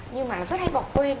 nhưng mà nó rất hay bỏ quên